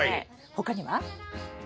他には。